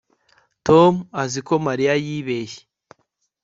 Tom azi ko Mariya yibeshye